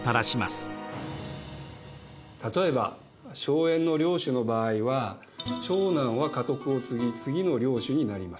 例えば荘園の領主の場合は長男は家督を継ぎ次の領主になります。